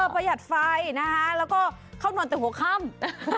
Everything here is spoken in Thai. ประหยัดไฟนะคะแล้วก็เข้านอนแต่หัวค่ำ